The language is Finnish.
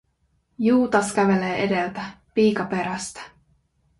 Juutas kävelee edeltä, piika perästä.